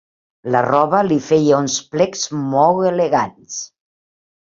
La roba li feia uns plecs molt elegants.